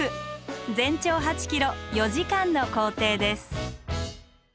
全長８ｋｍ４時間の行程です。